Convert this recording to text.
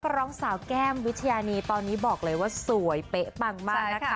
ร้องสาวแก้มวิทยานีตอนนี้บอกเลยว่าสวยเป๊ะปังมากนะคะ